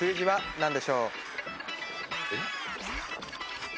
箸でしょう。